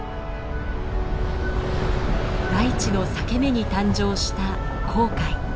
大地の裂け目に誕生した紅海。